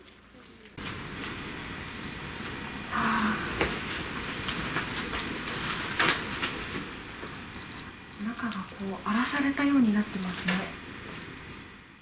ああ、中がこう、荒らされたようになっていますね。